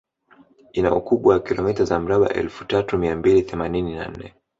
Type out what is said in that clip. Ina ukubwa wa kilomita za mraba Elfu tatu mia mbili themanini na nne